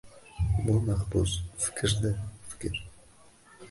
Bu mahbus — fikrdir, fikr!